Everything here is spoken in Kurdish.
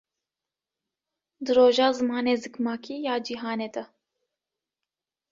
Di Roja Zimanê Zikmakî ya Cihanê De